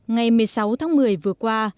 ngày một mươi sáu tháng một mươi vừa qua